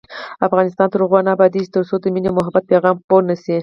افغانستان تر هغو نه ابادیږي، ترڅو د مینې او محبت پیغام خپور نشي.